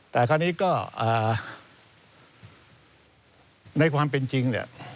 แต่คราวนี้ก็ในความเป็นจริงเนี่ย